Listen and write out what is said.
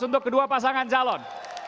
untuk kedua pasangan calon